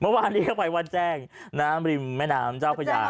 เมื่อวานนี้เข้าไปวัดแจ้งน้ำริมแม่น้ำเจ้าพญา